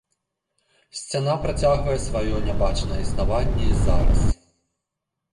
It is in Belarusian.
Сцяна працягвае сваё нябачнае існаванне і зараз.